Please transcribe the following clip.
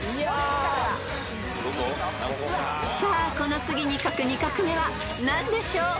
［さあこの次に書く２画目は何でしょう］